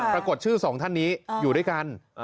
ปรากฏชื่อสองท่านนี้อยู่ด้วยกัน